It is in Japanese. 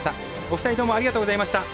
お二人どうもありがとうございました。